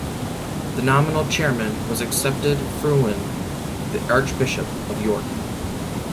The nominal chairman was Accepted Frewen, the Archbishop of York.